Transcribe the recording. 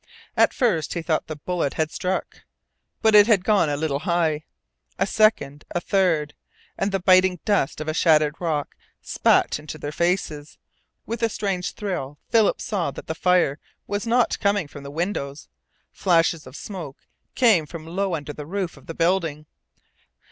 At first he thought the bullet had struck. But it had gone a little high. A second a third and the biting dust of a shattered rock spat into their faces. With a strange thrill Philip saw that the fire was not coming from the windows. Flashes of smoke came from low under the roof of the building.